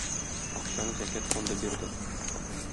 Акчаны "Зәкят" фонды бирде.